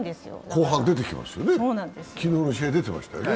後半出てきますよね、昨日の試合出てましたよね。